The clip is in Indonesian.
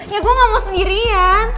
ya gue gak mau sendirian